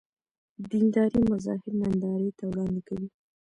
دیندارۍ مظاهر نندارې ته وړاندې کوي.